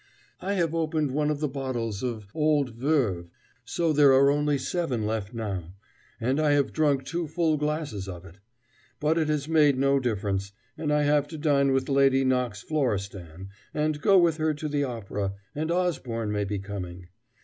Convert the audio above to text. I have opened one of the bottles of Old Veuve, so there are only seven left now; and I have drunk two full glasses of it. But it has made no difference; and I have to dine with Lady Knox Florestan, and go with her to the opera; and Osborne may be coming.